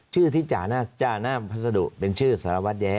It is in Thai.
ชื่อที่จานาภัสดุเป็นชื่อสละวัดแย้